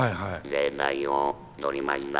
「声帯を取りました」。